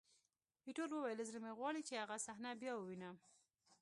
ایټور وویل: زړه مې غواړي چې هغه صحنه بیا ووینم.